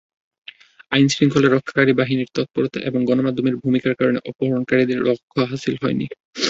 আইনশৃঙ্খলা রক্ষাকারী বাহিনীর তৎপরতা এবং গণমাধ্যমের ভূমিকার কারণে অপহরণকারীদের লক্ষ্য হাসিল হয়নি।